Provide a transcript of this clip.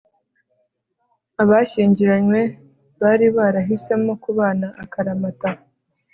abashyingiranywe bari barahisemo kubana akaramata